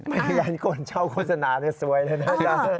ไม่ได้ยันคนเช่าโฆษณานั้นสวยเลยนะอาจารย์